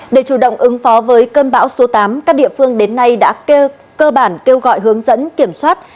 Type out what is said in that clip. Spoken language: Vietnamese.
để chủ động ứng phó với cơn bão số tám các địa phương đến nay đã cơ bản kêu gọi hướng dẫn kiểm soát